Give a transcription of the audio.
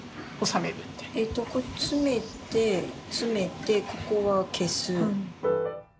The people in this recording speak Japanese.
詰めて詰めてここは消す。